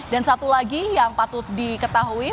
dan satu lagi yang patut diketahui